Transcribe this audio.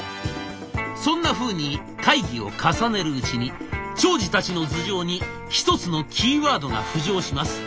そんなふうに会議を重ねるうちに長司たちの頭上に一つのキーワードが浮上します。